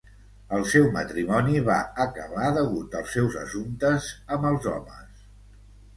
El seu matrimoni va acabar degut als seus assumptes amb els homes.